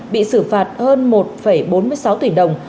bị xử phạt hơn một bốn mươi sáu tỷ đồng